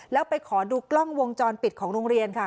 แล้วไปขอดูกล้องวงจรปิดของโรงเรียนค่ะ